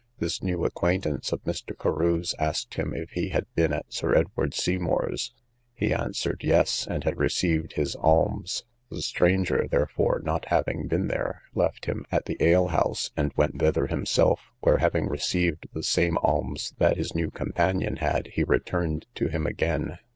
This new acquaintance of Mr. Carew's asked him if he had been at Sir Edward Seymour's? He answered, yes, and had received his alms: the stranger, therefore, not having been there, left him at the alehouse, and went thither himself, where, having received the same alms that his new companion had, he returned to him again.